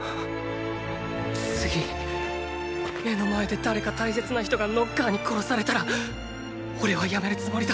次目の前で誰か大切な人がノッカーに殺されたらおれはやめるつもりだ。